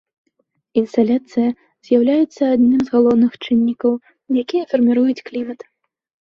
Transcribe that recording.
Інсаляцыя з'яўляецца адным з галоўных чыннікаў, якія фарміруюць клімат.